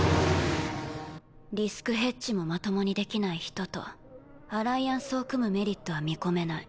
リスクヘッジもまともにできない人とアライアンスを組むメリットは見込めない。